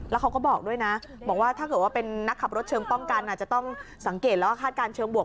แล้วเขาก็บอกด้วยนะบอกว่าถ้าเกิดว่าเป็นนักขับรถเชิงป้องกันอาจจะต้องสังเกตแล้วก็คาดการณ์เชิงบวก